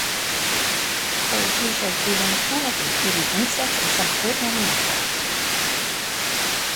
Leafbirds usually feed in the canopy, eating insects and some fruit and nectar.